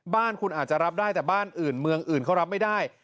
บ้านคุณอาจจะรับได้แต่บ้านอื่นเมืองอื่นเขารับไม่ได้